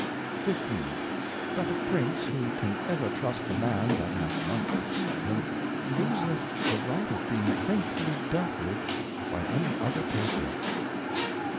15. That a Prince who can ever trust the Man that hath once deceived him, loseth the Right of being Faithfully dealt with by any other Person.